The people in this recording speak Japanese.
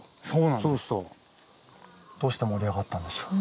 どうして盛り上がったんでしょう？